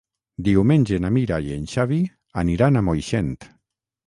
Diumenge na Mira i en Xavi aniran a Moixent.